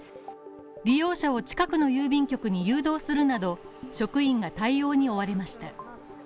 利用者を近くの郵便局に誘導するなど、職員が対応に追われました。